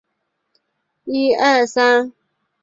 明朝洪武九年降为沅州。